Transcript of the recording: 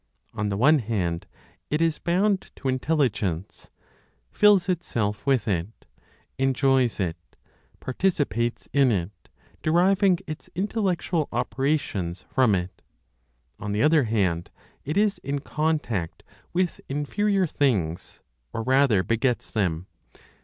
On the one hand it is bound to Intelligence, fills itself with it; enjoys it, participates in it, deriving its intellectual operations from it. On the other hand, it is in contact with inferior things, or rather, begets them.